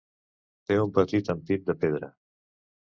Té un petit ampit de pedra.